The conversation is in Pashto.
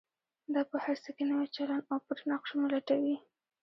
دا په هر څه کې نوی چلند او پټ نقشونه لټوي.